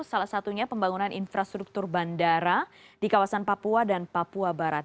salah satunya pembangunan infrastruktur bandara di kawasan papua dan papua barat